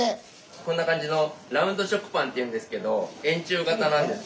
こんな感じのラウンド食パンっていうんですけど円柱形なんです。